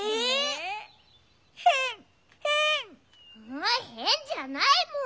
うへんじゃないもん。